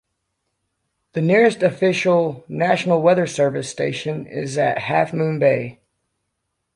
The nearest official National Weather Service station is at Half Moon Bay.